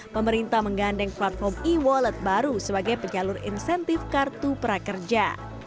pemerintah menggandeng platform e wallet baru sebagai penyalur insentif kartu prakerja